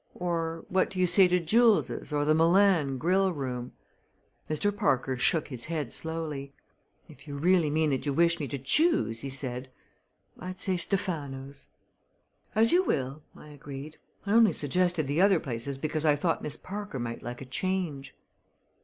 "Or what do you say to Jules' or the Milan grill room?" Mr. Parker shook his head slowly. "If you really mean that you wish me to choose," he said, "I say Stephano's." "As you will," I agreed. "I only suggested the other places because I thought Miss Parker might like a change."